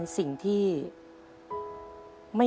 สุดท้าย